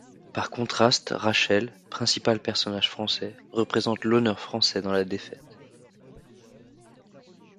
Par contraste, Rachel, principal personnage français, représente l’honneur français dans la défaite.